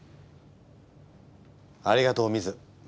ありがとうミズ。